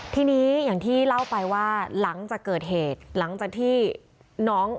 ทีนี้อย่างที่เล่าไปว่าหลังจากเกิดเหตุหลังจากที่น้อง